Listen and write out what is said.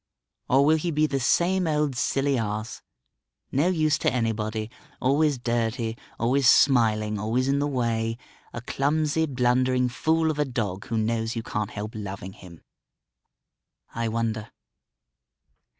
Or will he be the same old silly ass, no use to anybody, always dirty, always smiling, always in the way, a clumsy, blundering fool of a dog who knows you can't help loving him? I wonder....